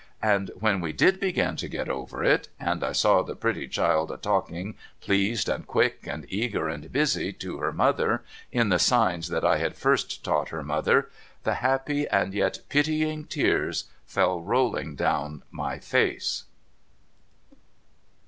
And when we did begin to get over it, and I saw the pretty child a talking, pleased and quick and eager and busy, to her mother, in the signs that I had first taught her mother, the happy and yet pitying tear? fell rolling down my face.